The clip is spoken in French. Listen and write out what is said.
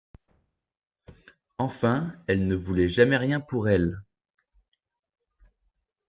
Enfin elle ne voulait jamais rien pour elle.